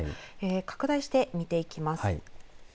拡大して見ていきます。